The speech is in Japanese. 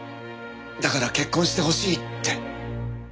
だから結婚してほしいって。